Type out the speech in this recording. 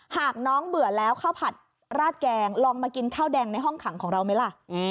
หากน้องเบื่อแล้วข้าวผัดราดแกงลองมากินข้าวแดงในห้องขังของเราไหมล่ะ